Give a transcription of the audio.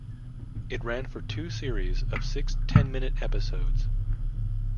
It ran for two series of six ten-minute episodes.